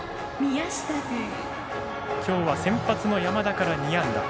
今日は先発の山田から２安打。